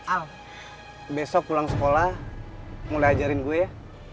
al besok pulang sekolah mulai ajarin gue ya